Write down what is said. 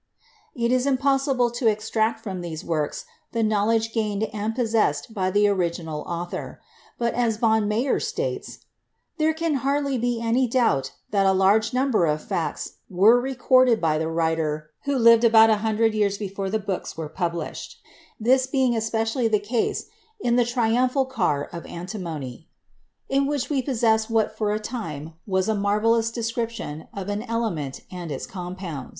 It is impossible to extract from these works the knowledge gained and possessed by the original author, but, as von Meyer states, "there can hardly be any doubt that a large number of facts were recorded by the writer who lived about a hundred years before the books were published, this being especially the case in the 'Triumphal Car of Antimony,' in which we possess what for a time was a marvelous description of an element and its compounds."